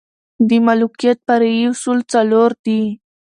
د ملوکیت فرعي اصول څلور دي.